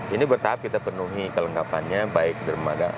ini bertahap kita penuhi kelengkapannya baik dermaga